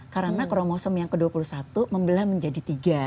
karena kromosom yang ke dua puluh satu membelam menjadi tiga